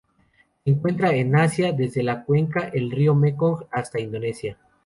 Se encuentran en Asia: desde la cuenca del río Mekong hasta Indonesia.